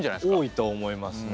多いと思いますね。